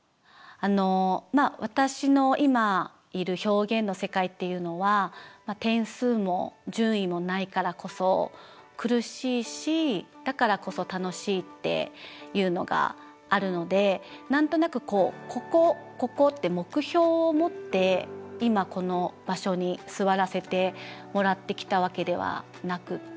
私の今いる表現の世界っていうのは点数も順位もないからこそ苦しいしだからこそ楽しいっていうのがあるので何となくこうここここって目標を持って今この場所に座らせてもらってきたわけではなくて。